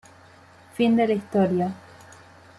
Fin de la historia...